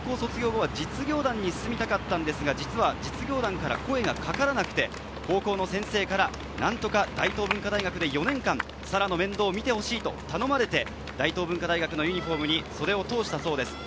高校卒業後は実業団に進みたかったんですが、実は実業団から声がかからなくて、母校の先生から何とか大東文化大学で４年間、サラの面倒を見てほしいと頼まれて、大東文化大学のユニホームに袖を通したそうです。